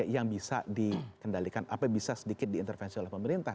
yang bisa dikendalikan apa bisa sedikit diintervensi oleh pemerintah